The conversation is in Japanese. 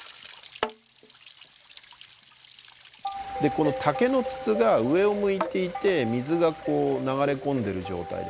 この竹の筒が上を向いていて水が流れ込んでる状態ですね。